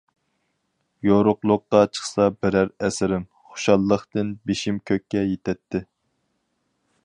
يورۇقلۇققا چىقسا بىرەر ئەسىرىم، خۇشاللىقتىن بېشىم كۆككە يېتەتتى.